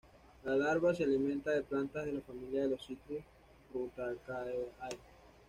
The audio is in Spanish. La larva se alimenta de plantas de la familia de los "Citrus", Rutaceae.